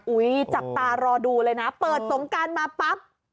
จับตารอดูเลยนะเปิดสงการมาปั๊บ